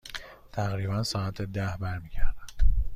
تقریبا ساعت ده برمی گردم.